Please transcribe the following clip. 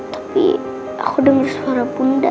tapi aku denger suara bunda